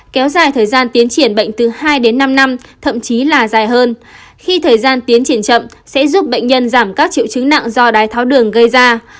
kéo dài thời gian tiến triển bệnh từ hai đến năm năm thậm chí là dài hơn khi thời gian tiến triển chậm sẽ giúp bệnh nhân giảm các triệu chứng nặng do đái tháo đường gây ra